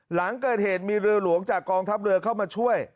หลังเกิดเหตุมีเรือหลวงจากกองทัพเรือเข้ามาช่วย